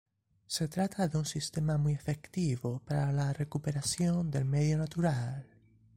Se trata de un sistema muy efectivo para la recuperación del medio natural.